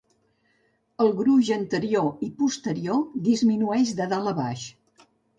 El gruix anterior i posterior disminueix de dalt a baix.